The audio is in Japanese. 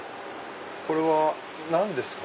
これは何ですか？